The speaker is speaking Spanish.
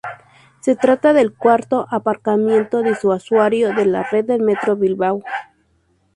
Se trata del cuarto aparcamiento disuasorio de la red de Metro Bilbao.